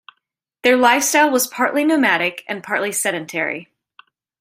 Their lifestyle was partly nomadic and partly sedentary.